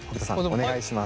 お願いします。